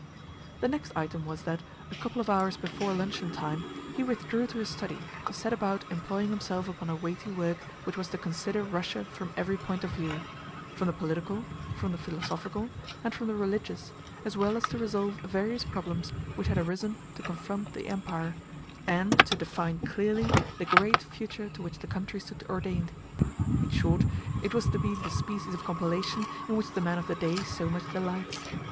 The next item was that, a couple of hours before luncheon time, he withdrew to his study, to set about employing himself upon a weighty work which was to consider Russia from every point of view: from the political, from the philosophical, and from the religious, as well as to resolve various problems which had arisen to confront the Empire, and to define clearly the great future to which the country stood ordained. In short, it was to be the species of compilation in which the man of the day so much delights.